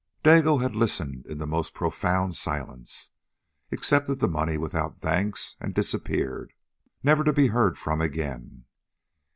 Dago had listened in the most profound silence, accepted the money without thanks, and disappeared, never to be heard from again.